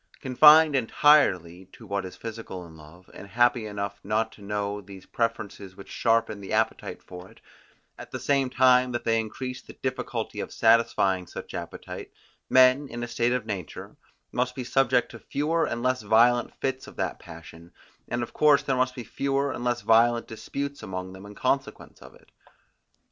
Confined entirely to what is physical in love, and happy enough not to know these preferences which sharpen the appetite for it, at the same time that they increase the difficulty of satisfying such appetite, men, in a state of nature, must be subject to fewer and less violent fits of that passion, and of course there must be fewer and less violent disputes among them in consequence of it.